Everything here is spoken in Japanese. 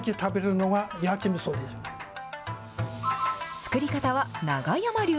作り方は永山流。